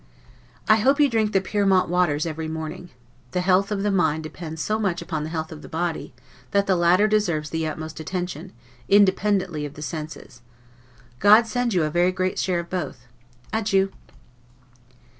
I hope you drink the Pyrmont waters every morning. The health of the mind depends so much upon the health of the body, that the latter deserves the utmost attention, independently of the senses. God send you a very great share of both! Adieu.